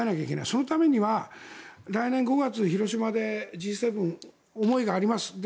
そのためには来年５月広島でＧ７、思いがあります。